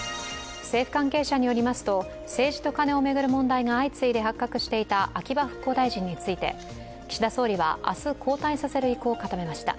政府関係者によりますと政治とカネを巡る問題が相次いで発覚していた秋葉復興大臣について、岸田総理は明日、交代させる考えを示しました